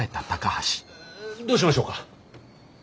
どうしましょうか？